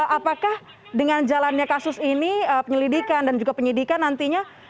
apakah dengan jalannya kasus ini penyelidikan dan juga penyidikan nantinya